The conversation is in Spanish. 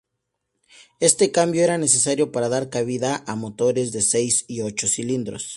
Este cambio era necesario para dar cabida a motores de seis y ocho cilindros.